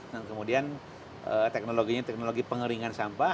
dan kemudian teknologinya teknologi pengeringan sampah